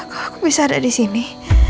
aku bisa ada di sini